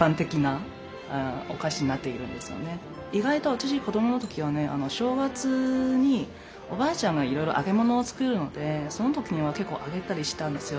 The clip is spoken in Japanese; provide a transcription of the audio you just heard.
私が子どもの時はね正月におばあちゃんが揚げ物を作るのでその時に結構揚げたりしたんですよ。